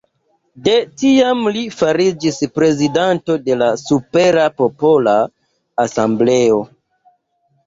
De tiam li fariĝis prezidanto de la Supera Popola Asembleo.